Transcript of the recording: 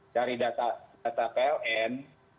dari data pln